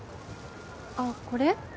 あっこれ？